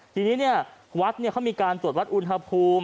ทีนี้เนี่ยวัดเนี่ยเค้ามีการตรวจวัดอุณฑภูมิ